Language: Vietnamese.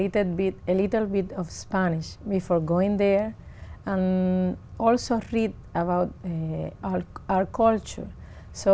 đã đi cùng với raúl castro